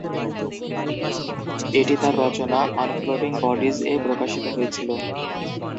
এটি তাঁর রচনা "on floating বডিজ"য়ে প্রকাশিত হয়েছিল।